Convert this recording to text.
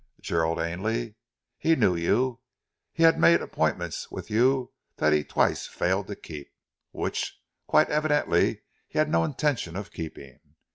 Gerald Ainley? He knew you! He had made appointments with you that he twice failed to keep which, quite evidently, he had no intention of keeping.